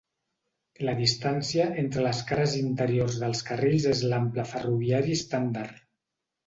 La distància entre les cares interiors dels carrils és l'ample ferroviari estàndard.